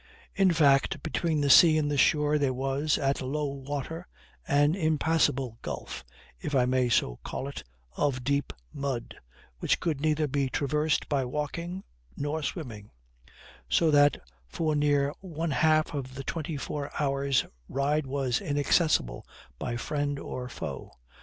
In fact, between the sea and the shore there was, at low water, an impassable gulf, if I may so call it, of deep mud, which could neither be traversed by walking nor swimming; so that for near one half of the twenty four hours Ryde was inaccessible by friend or foe.